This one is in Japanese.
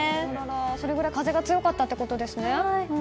それぐらい風が強かったってことですね。